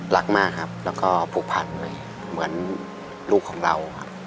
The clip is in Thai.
รักมากครับแล้วก็ผูกพันไว้เหมือนลูกของเราครับ